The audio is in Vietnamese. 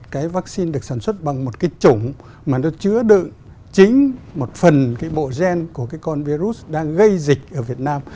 cái chủng mà nó chứa được chính một phần cái bộ gen của cái con virus đang gây dịch ở việt nam